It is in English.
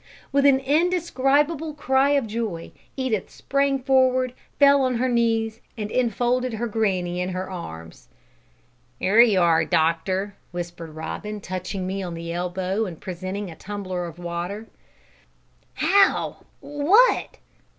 With an indescribable cry of joy Edith sprang forward, fell on her knees, and enfolded granny in her arms. "'Ere you are, doctor," whispered Robin, touching me on the elbow and presenting a tumbler of water. "How? What?"